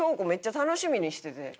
めっちゃ楽しみにしてて。